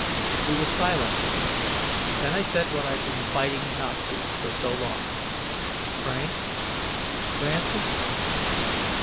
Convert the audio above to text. We were silent; then I said what I'd been fighting not to, for so long. "Frank ... Francis?"